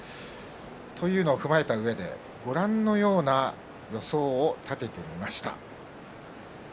というのを踏まえたうえでご覧のような予想を立ててみました。